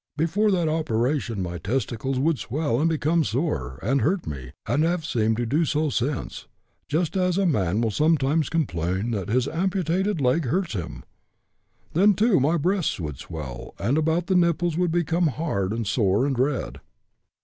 Before that operation my testicles would swell and become sore and hurt me, and have seemed to do so since, just as a man will sometimes complain that his amputated leg hurts him. Then, too, my breasts would swell, and about the nipples would become hard and sore and red.